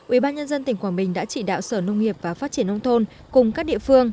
ubnd tỉnh quảng bình đã chỉ đạo sở nông nghiệp và phát triển nông thôn cùng các địa phương